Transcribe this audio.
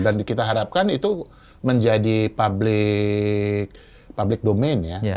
dan kita harapkan itu menjadi public domain ya